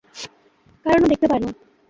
কারণ ও দেখতে পায় না।